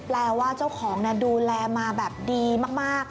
แปลว่าเจ้าของดูแลมาแบบดีมาก